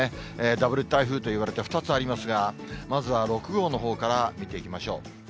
ダブル台風といわれて２つありますが、まずは６号のほうから見ていきましょう。